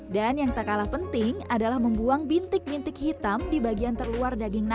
dan yang tak kalah penting adalah membuang bintik bintik hitam di bagian terluar daging nanas